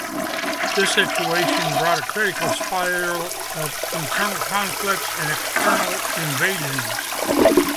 This situation brought a critical spiral of internal conflicts and external invasions.